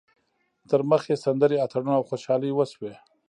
تر مخ یې سندرې، اتڼونه او خوشحالۍ وشوې.